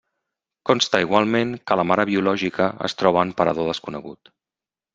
Consta igualment que la mare biològica es troba en parador desconegut.